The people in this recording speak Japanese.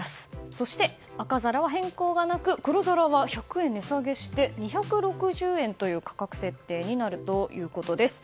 そして赤皿は変更がなく黒皿は１００円値下げして２６０円の価格設定になるということです。